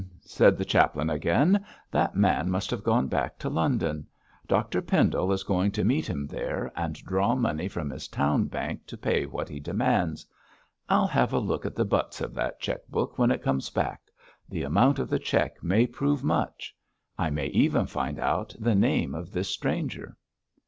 said the chaplain again, 'that man must have gone back to London. Dr Pendle is going to meet him there and draw money from his Town bank to pay what he demands. I'll have a look at the butts of that cheque book when it comes back; the amount of the cheque may prove much. I may even find out the name of this stranger.'